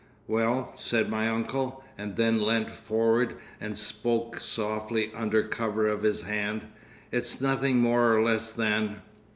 "Well," said my uncle, and then leant forward and spoke softly under cover of his hand, "It's nothing more or less than..."